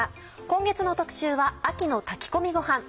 今月の特集は「秋の炊き込みごはん」。